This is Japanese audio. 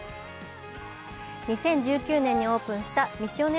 ２０１９年にオープンしたみしおね